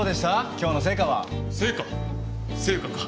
今日の成果は。成果？成果か。